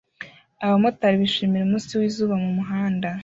Abamotari bishimira umunsi wizuba mumuhanda